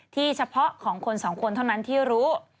เฉพาะของคนสองคนเท่านั้นที่รู้